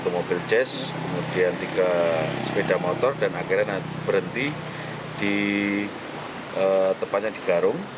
satu mobil jazz kemudian tiga sepeda motor dan akhirnya berhenti di tempatnya di garung